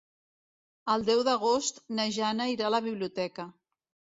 El deu d'agost na Jana irà a la biblioteca.